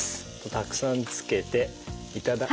たくさんつけて頂き。